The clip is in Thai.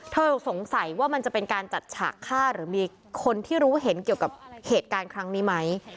สงสัยว่ามันจะเป็นการจัดฉากฆ่าหรือมีคนที่รู้เห็นเกี่ยวกับเหตุการณ์ครั้งนี้ไหม